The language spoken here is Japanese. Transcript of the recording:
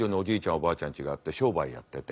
おばあちゃんちがあって商売やってて。